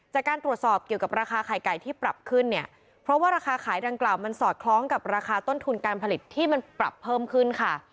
จากการตรวจสอบเกี่ยวกับราคาไข่ไก่ที่ปรับขึ้นเนี่ยเพราะว่าราคาขายดังกล่าวมันสอดคล้องกับราคาต้นทุนการผลิตที่มันปรับเพิ่มขึ้นค่ะ